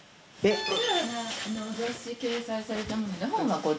これらが雑誌掲載されたもので本はこっちの。